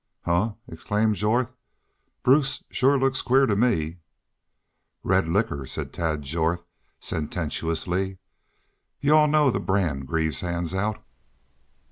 "Huh!" exclaimed Jorth. "Bruce shore looks queer to me." "Red liquor," said Tad Jorth, sententiously. "You all know the brand Greaves hands out."